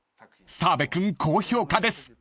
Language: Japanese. ［澤部君高評価です］